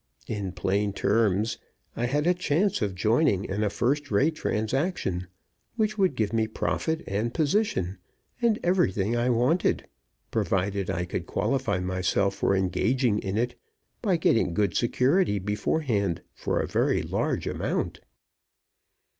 In plain terms, I had a chance of joining in a first rate transaction, which would give me profit, and position, and everything I wanted, provided I could qualify myself for engaging in it by getting good security beforehand for a very large amount.